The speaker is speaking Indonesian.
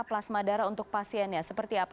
plasma darah untuk pasiennya seperti apa